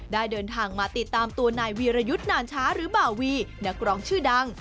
ได้เดินทางมาติดตามตัวนายวีรยุทธ์นานช้าหรือบ่าวีนักร้องชื่อดัง